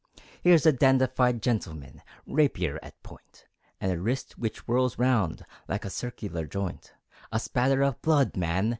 Here's a dandified gentleman, Rapier at point, And a wrist which whirls round Like a circular joint. A spatter of blood, man!